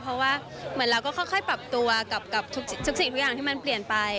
เพราะว่าเหมือนเราก็ค่อยปรับตัวกับทุกสิ่งทุกอย่างที่มันเปลี่ยนไป